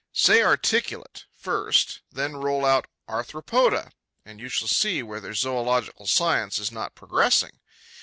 Say, 'articulate,' first; then roll out, 'Arthropoda;' and you shall see whether zoological science is not progressing!